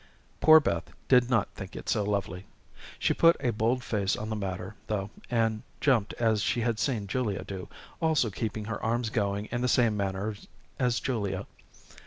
Poor Beth did not think it so lovely. She put a bold face on the matter, though, and jumped as she had seen Julia do, also keeping her arms going in the same manner as Julia.